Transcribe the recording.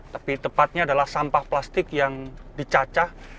tapi tepatnya adalah sampah plastik yang dicacah